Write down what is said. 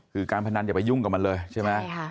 คือการพนันอย่าไปยุ่งกับมันเลยใช่ไหม